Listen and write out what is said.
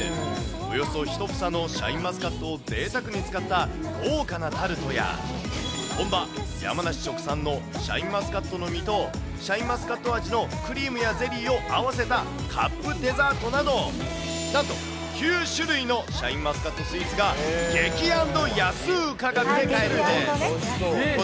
およそ１房のシャインマスカットをぜいたくに使った豪華なタルトや、本場、山梨直産のシャインマスカットの実と、シャインマスカット味のクリームやゼリーを合わせたカップデザートなど、なんと９種類のシャインマスカットスイーツが激＆安